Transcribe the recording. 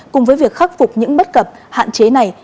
cùng với việc khắc phục những bất cập hạn chế này